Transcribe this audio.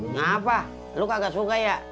ngapaa lu kagak suka ya